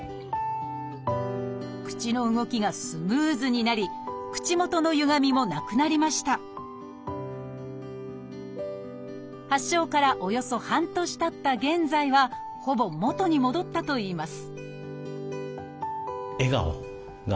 口の動きがスムーズになり口元のゆがみもなくなりました発症からおよそ半年たった現在はほぼ元に戻ったといいます